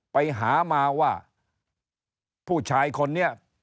ไปหามาว่าผู้ชายคนนี้